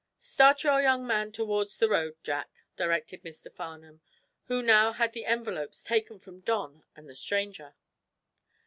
"Start your young man towards the road, Jack," directed Mr. Farnum, who now had the envelopes taken from Don and the stranger.